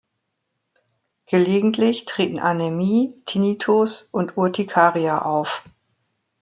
Gelegentlich treten Anämie, Tinnitus und Urtikaria auf.